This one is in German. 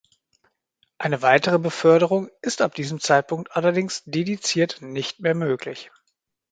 Eine weitere Beförderung ist ab diesem Zeitpunkt allerdings dezidiert nicht mehr möglich.